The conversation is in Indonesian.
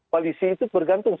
koalisi itu bergantung